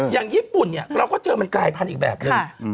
อย่างญี่ปุ่นเนี่ยเราก็เจอมันกลายพันธุ์อีกแบบนึง